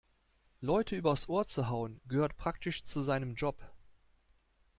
Leute übers Ohr zu hauen, gehört praktisch zu seinem Job.